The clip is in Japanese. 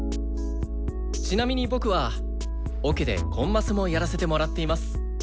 ちなみに僕はオケでコンマスもやらせてもらっています。